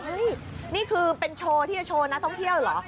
นี่คือเป็นโชว์ที่จะโชว์นักท่องเที่ยวเหรอ